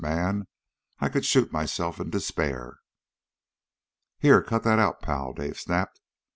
Man! I could shoot myself in despair!" "Here, cut that out, pal!" Dave snapped.